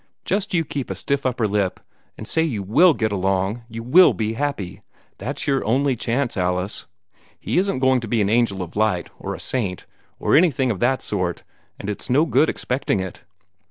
Just you keep a stiff upper lip, and say you WILL get along, you WILL be happy. That's your only chance, Alice. He isn't going to be an angel of light, or a saint, or anything of that sort, and it's no good expecting it.